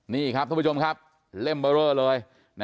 นี่ครับท่านผู้ชมครับเล่มเบอร์เรอเลย